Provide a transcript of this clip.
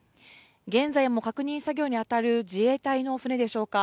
現在も確認作業に当たる自衛隊の船でしょうか。